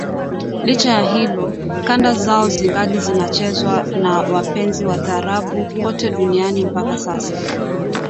Licha ya hilo, kanda zao zingali zinazechwa na wapenzi wa taarabu kote duniani mpaka sasa